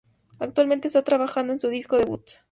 Actualmente está trabajando en su disco debut.